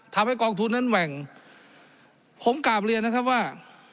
ทำให้กองทุนนั้นแหว่งผมกราบเรียนนะครับว่า